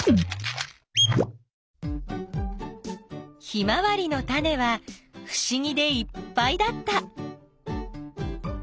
ヒマワリのタネはふしぎでいっぱいだった。